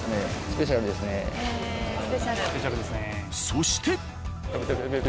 そして。